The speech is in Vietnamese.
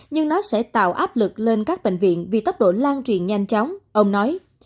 nhưng nó sẽ tạo áp lực lên các bệnh viện vì tốc độ lan truyền nhanh chóng ông nói